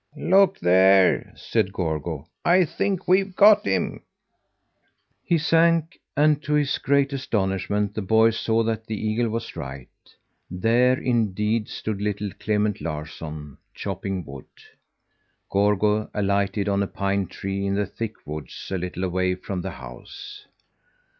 "Look there!" said Gorgo. "I think we've got him." He sank, and, to his great astonishment, the boy saw that the eagle was right. There indeed stood little Clement Larsson chopping wood. Gorgo alighted on a pine tree in the thick woods a little away from the house.